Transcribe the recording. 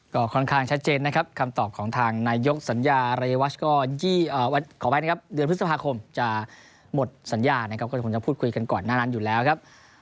ก็ค่อนข้างชัดเจนนะครับคำตอบของทางนายกสัญญาเรวัชก็ขออภัยนะครับเดือนพฤษภาคมจะหมดสัญญานะครับก็คงจะพูดคุยกันก่อนหน้านั้นอยู่แล้วครับ